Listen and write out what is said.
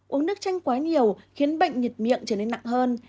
uống nước chanh quá nhiều khiến bệnh nhiệt miệng trở nên nặng hơn